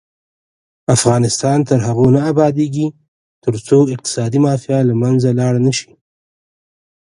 افغانستان تر هغو نه ابادیږي، ترڅو اقتصادي مافیا له منځه لاړه نشي.